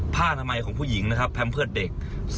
๒ผ้านามัยของผู้หญิงแพลมเพิศเด็ก